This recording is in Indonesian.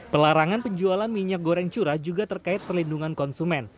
pelarangan penjualan minyak goreng curah juga terkait perlindungan konsumen